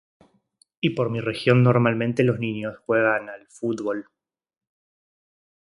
Y por mi región, normalmente, los niños juegan al fútbol.